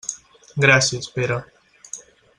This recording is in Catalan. Gràcies, Pere.